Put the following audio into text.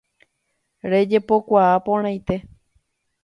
Rejepokuaa porãite